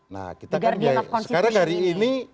nah kita kan sekarang hari ini